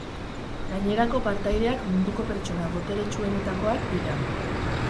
Gainerako partaideak munduko pertsona boteretsuenetakoak dira.